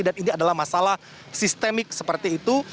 dan ini adalah masalah sistemik seperti itu